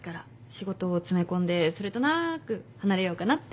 仕事を詰め込んでそれとなく離れようかなって。